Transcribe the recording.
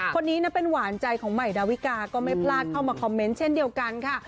คนนี้นะเป็นหวานใจของใหม่ดาวิกาก็ไม่พลาดเข้ามาคอมเมนต์เช่นเดียวกันค่ะ